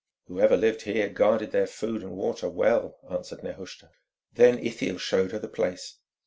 "Whoever lived here guarded their food and water well," answered Nehushta. Then Ithiel showed her the place.